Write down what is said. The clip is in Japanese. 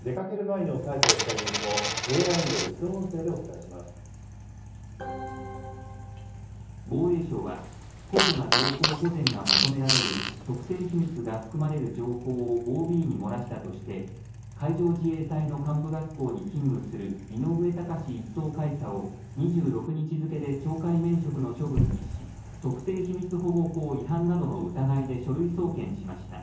出かける前に押さえておきたいニュースをＡＩによる自動音声でお防衛省は、高度な情報保全が求められる特定秘密が含まれる情報をＯＢに漏らしたとして、海上自衛隊の幹部学校に勤務する井上高志１等海佐を２６日付で懲戒免職の処分にし、特定秘密保護法違反などの疑いで書類送検しました。